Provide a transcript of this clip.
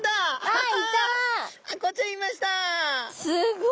はい。